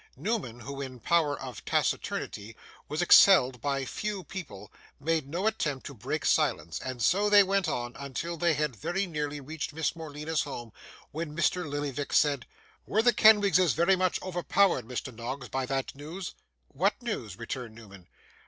Newman, who in power of taciturnity was excelled by few people, made no attempt to break silence; and so they went on, until they had very nearly reached Miss Morleena's home, when Mr Lillyvick said: 'Were the Kenwigses very much overpowered, Mr. Noggs, by that news?' 'What news?' returned Newman.